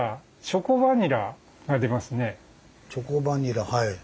チョコバニラはい。